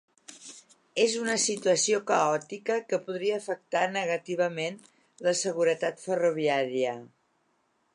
És una situació caòtica que podria afectar negativament la seguretat ferroviària.